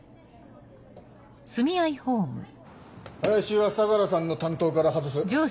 林は相良さんの担当から外す。